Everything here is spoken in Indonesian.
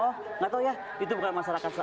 oh nggak tahu ya itu bukan masyarakat saja